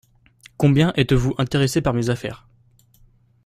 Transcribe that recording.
Combien êtes-vous intéressé par mes affaires ?